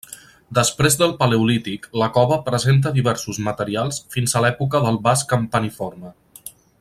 Després del paleolític, la cova presenta diversos materials fins a l'època del vas campaniforme.